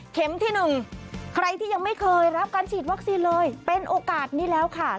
ที่หนึ่งใครที่ยังไม่เคยรับการฉีดวัคซีนเลยเป็นโอกาสนี้แล้วค่ะ